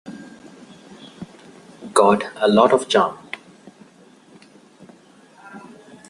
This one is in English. Got a lot of charm.